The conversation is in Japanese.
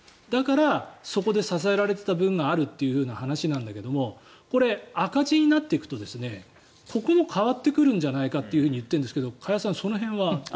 だからそこで支えられていた部分があるという話だけどこれ、赤字になっていくとここも変わってくるんじゃないかと言ってるんですが加谷さん、その辺は。